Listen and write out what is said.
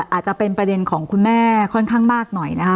อาจจะเป็นประเด็นของคุณแม่ค่อนข้างมากหน่อยนะคะ